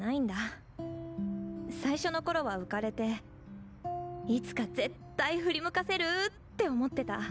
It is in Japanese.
最初の頃は浮かれていつか絶対振り向かせる！って思ってた。